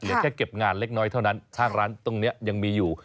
แค่เก็บงานเล็กน้อยเท่านั้นทางร้านตรงนี้ยังมีอยู่